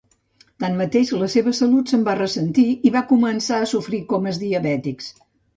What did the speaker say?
Tanmateix, la seva salut se'n va ressentir i va començar a sofrir comes diabètics.